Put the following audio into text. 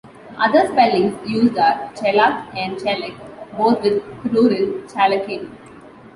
Other spellings used are "chelak" and "chelek", both with plural "chalakim".